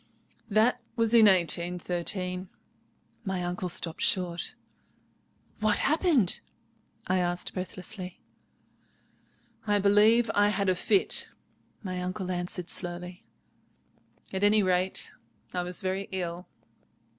"That was in 1813." My uncle stopped short. "What happened?" I asked breathlessly. "I believe I had a fit," my uncle answered slowly; "at any rate, I was very ill."